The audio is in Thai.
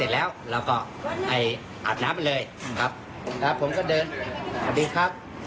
แล้วผมก็เดินสวัสดีครับ